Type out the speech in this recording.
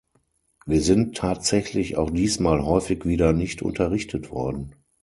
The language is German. Wir sind tatsächlich auch diesmal häufig wieder nicht unterrichtet worden.